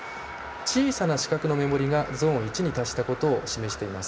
小さな四角のメモリがゾーン１に達したことを示しています。